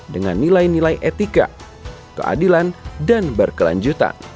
dengan nilai nilai etika keadilan dan berkelanjutan